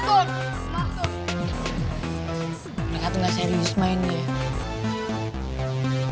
orangnya tengah serius main ya